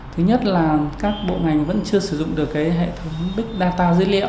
thứ nhất là các bộ ngành vẫn chưa sử dụng được hệ thống big data